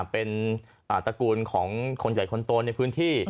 เป็นตระกูลของคนใหญ่คนโตในพื้นที่